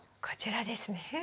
こちらですね。